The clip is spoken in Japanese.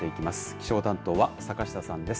気象担当は坂下さんです。